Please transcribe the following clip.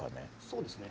そうですね。